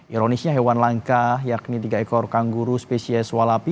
ironisnya hewan langka yakni tiga ekor kangguru spesies walapi